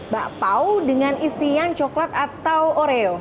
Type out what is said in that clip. bakpao dengan isian coklat atau oreo